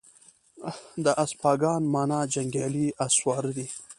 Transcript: د اسپاگان مانا جنگيالي اس سواره دي